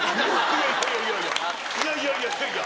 いやいやいやいやいや！